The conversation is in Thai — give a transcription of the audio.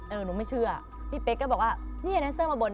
เออหนูไม่เชื่อพี่เป๊กก็บอกว่านี่นันเซอร์มาบน